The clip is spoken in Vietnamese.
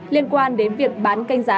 liên quan đến việc bán canh giá